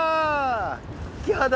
キハダ！